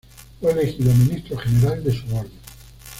Fue elegido ministro general de su orden.